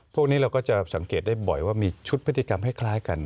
พวกนี้เราก็จะสังเกตได้บ่อยว่ามีชุดพฤติกรรมให้คล้ายกัน